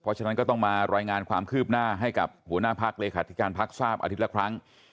เพราะฉะนั้นก็ต้องมารายงานความคืบหน้าให้กับหัวหน้าพักเลขาธิการพักทราบอาทิตย์ละครั้ง